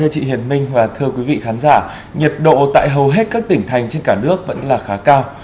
thưa quý vị khán giả nhiệt độ tại hầu hết các tỉnh thành trên cả nước vẫn là khá cao